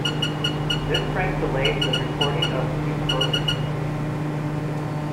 This prank delayed the recording of two programmes.